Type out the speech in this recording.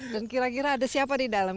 dan kira kira ada siapa di dalam